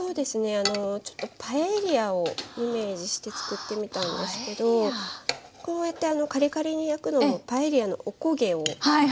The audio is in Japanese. あのちょっとパエリアをイメージして作ってみたんですけどこうやってカリカリに焼くのパエリアのお焦げを。